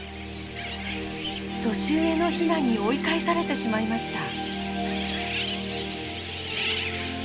年上のヒナに追い返されてしまいました。